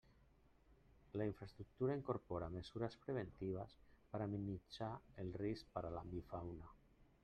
La infraestructura incorpora mesures preventives per a minimitzar el risc per a l'avifauna.